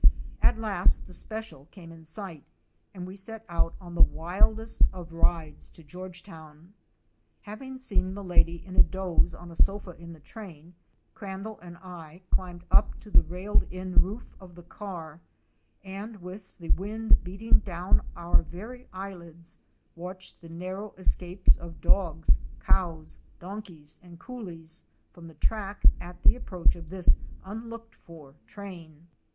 At last the special came in sight and we set out on the wildest of rides to Georgetown. Having seen Milady in a doze on a sofa in the train, Crandall and I climbed up to the railed in roof of the car and, with the wind beating down our very eyelids, watched the narrow escapes of dogs, cows, donkeys and coolies, from the track at the approach of this unlooked for train.